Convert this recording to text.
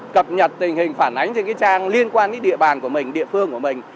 cập nhật tình hình phản ánh trên trang liên quan đến địa bàn của mình địa phương của mình